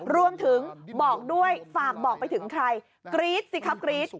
รวมถึงบอกด้วยฝากบอกไปถึงใครกรี๊ดสิครับกรี๊ด